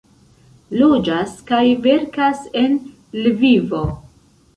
Loĝas kaj verkas en Lvivo.